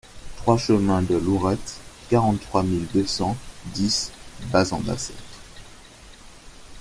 trois chemin de Lourette, quarante-trois mille deux cent dix Bas-en-Basset